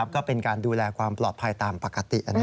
ก็เป็นการดูแลความปลอดภัยตามปกติ